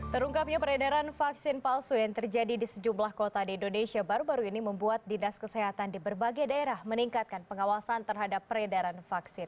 terungkapnya peredaran vaksin palsu yang terjadi di sejumlah kota di indonesia baru baru ini membuat dinas kesehatan di berbagai daerah meningkatkan pengawasan terhadap peredaran vaksin